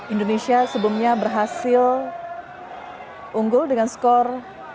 indonesia sebelumnya berhasil unggul dengan skor dua